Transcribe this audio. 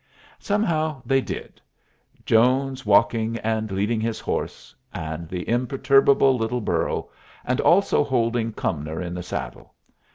Somehow they did, Jones walking and leading his horse and the imperturbable little burro, and also holding Cumnor in the saddle.